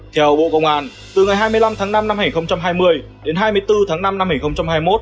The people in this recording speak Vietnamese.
theo bộ công an từ ngày hai mươi năm tháng năm năm hai nghìn hai mươi đến hai mươi bốn tháng năm năm hai nghìn hai mươi một